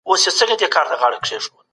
دوی د تولیداتو په کیفیت کي بدلون راوستی دی.